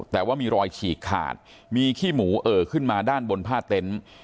แต่ว่ามีรอยฉีกขาดมีขี้หมูเอ่อขึ้นมาด้านบนผ้าเต็นต์